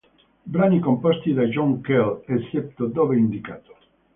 Brani composti da John Cale, eccetto dove indicato